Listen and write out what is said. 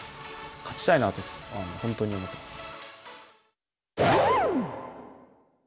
勝ちたいなと、本当に思ってます。